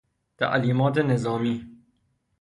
تعلیمات نظامی